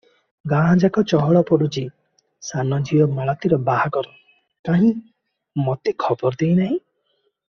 ଗାଁ ଯାକ ଚହଳ ପଡିଛି - ସାନ ଝିଅ ମାଳତୀର ବାହାଘର - କାହିଁ ମତେ ଖବର ଦେଇ ନାହଁ?